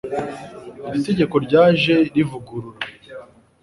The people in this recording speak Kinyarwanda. Iri tegeko ryaje rivugurura,